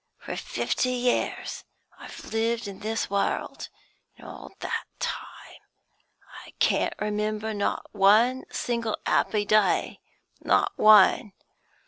For fifty years I've lived in this world, and in all that time I can't remember not one single 'appy day, not one.